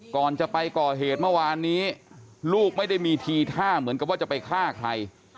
ก่อนจะไปก่อเหตุเมื่อวานนี้ลูกไม่ได้มีทีท่าเหมือนกับว่าจะไปฆ่าใคร